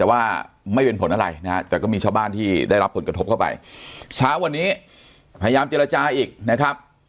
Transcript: แต่ว่าไม่เป็นผลอะไรนะฮะแต่ก็มีชาวบ้านที่ได้รับผลกระทบเข้าไปเช้าวันนี้พยายามเจรจาอีกนะครับ